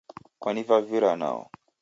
Kwanivavira nao